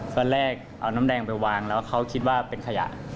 ตอนแรกเอาน้ำแดงไปวางแล้วเขาคิดว่าเป็นขยะ